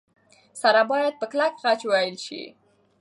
سره باید په کلک خج وېل شي.